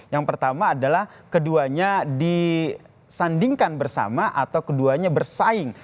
yang pertama adalah keduanya disandingkan bersama atau keduanya bersaing